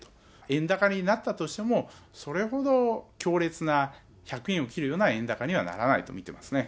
円高になったとしても、それほど強烈な、１００円を切るような円高にはならないと見てますね。